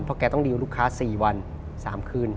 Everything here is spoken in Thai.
เพราะแกต้องดีลลูกค้า๔วัน๓คืน